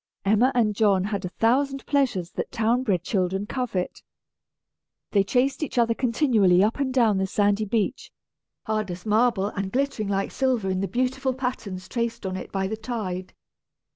Emma and John had a thousand pleasures that town bred children covet. They chased each other continually up and down the sandy beach, hard as marble and glittering like silver in the beautiful patterns traced on it by the tide.